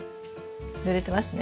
ぬれてますね。